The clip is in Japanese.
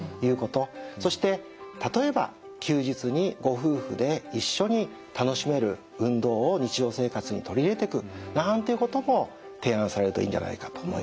そして例えば休日にご夫婦で一緒に楽しめる運動を日常生活に取り入れてくなんていうことも提案されるといいんじゃないかと思いますね。